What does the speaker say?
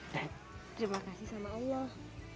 terima kasih sama allah